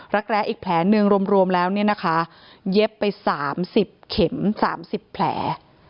รักแร้อีกแผลหนึ่งรวมรวมแล้วเนี้ยนะคะเย็บไปสามสิบเข็มสามสิบแผล